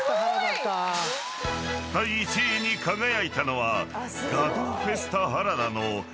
［第１位に輝いたのは］